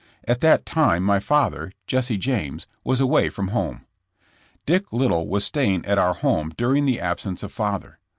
At that time my father, Jesse James, was away from home. Dick Liddill was staying at our home during the absence of father.